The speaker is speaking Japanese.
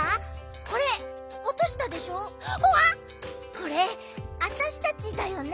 これわたしたちだよね。